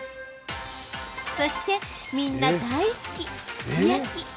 そして、みんな大好きすき焼き。